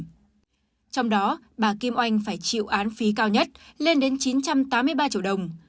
trong đó bà kim oanh phải chịu án phí cao nhất lên đến chín trăm tám mươi ba triệu đồng